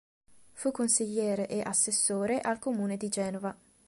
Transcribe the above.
Fu consigliere e assessore al Comune di Genova.